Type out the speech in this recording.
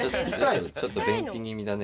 ちょっと便秘気味だね。